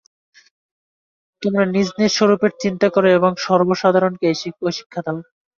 তোমরা নিজ নিজ স্বরূপের চিন্তা কর এবং সর্বসাধারণকে ঐ শিক্ষা দাও।